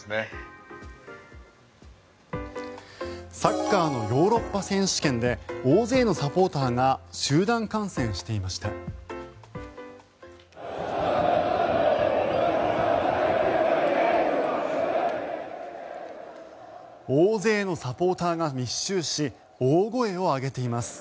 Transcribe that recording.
サッカーのヨーロッパ選手権で大勢のサポーターが集団感染していました。